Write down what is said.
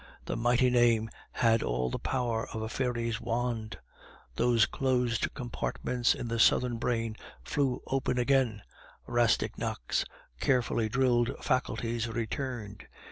The mighty name had all the power of a fairy's wand; those closed compartments in the southern brain flew open again; Rastignac's carefully drilled faculties returned.